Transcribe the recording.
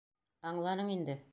Аңланың инде.